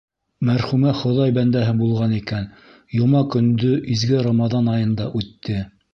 Мәрхүмә хоҙай бәндәһе булған икән, йома көндө, изге Рамаҙан айында үтте.